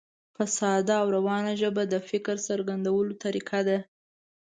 په ساده او روانه ژبه د فکر څرګندولو طریقه ده.